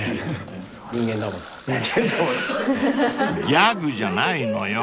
［ギャグじゃないのよ］